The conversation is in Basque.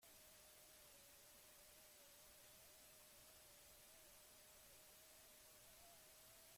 Bada ezker abertzaleak prakak jaitsi dituela pentsatzen duenik.